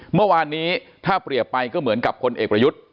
เมื่อวานนี้ถ้าเปรียบไปก็เหมือนกับพลเอกประยุทธ์